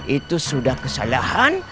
itu sudah kesalahan